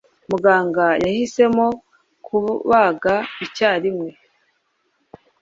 Muganga yahisemo kubaga icyarimwe.